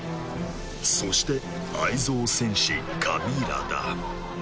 そして愛憎戦士カミーラだ。